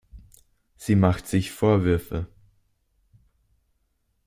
Sie macht sich Vorwürfe.